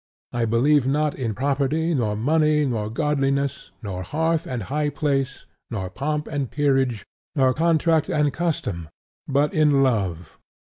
I believe not in property, nor money, nor godliness, nor hearth and high place, nor pomp and peerage, nor contract and custom, but in Love.